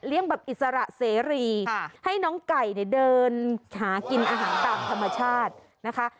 แบบอิสระเสรีให้น้องไก่เนี่ยเดินหากินอาหารตามธรรมชาตินะคะ